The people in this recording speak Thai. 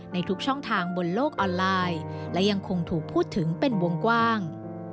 ในทุกช่องทางบนโลกออนไลน์และยังคงถูกพูดถึงเป็นวงกว้าง